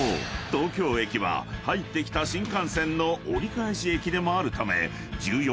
東京駅は入ってきた新幹線の折り返し駅でもあるため１４